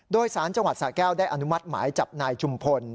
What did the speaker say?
โดยสารจังหวัดสาแก้วได้อนุมัติหมายจับนายชุมพล